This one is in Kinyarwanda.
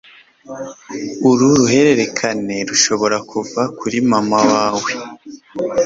uru ruhererekane rushobora kuva kuri mama wawe,